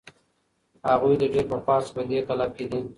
هغوی له ډېر پخوا څخه په دې کلب کې دي.